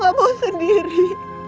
mama mau sendiri